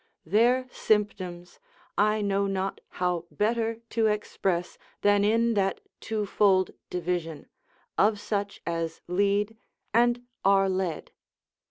Their symptoms I know not how better to express, than in that twofold division, of such as lead, and are led.